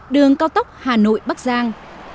đường cao tốc hà nội bắc giang